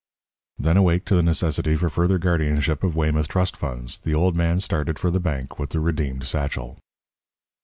Then awake to the necessity for further guardianship of Weymouth trust funds, the old man started for the bank with the redeemed satchel.